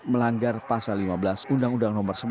melanggar pasal lima belas undang undang nomor sebelas